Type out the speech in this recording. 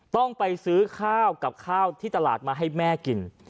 ต้องไปซื้อข้าวกับข้าวที่ตลาดมาให้แม่กิน